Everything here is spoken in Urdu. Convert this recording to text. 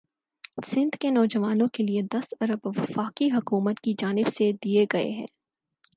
سندھ کے نواجوانوں کے لئے دس ارب وفاقی حکومت کی جانب سے دئے گئے ہیں